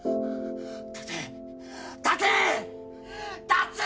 立て！